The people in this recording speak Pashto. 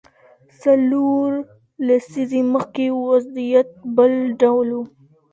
څلور لسیزې مخکې وضعیت بل ډول و.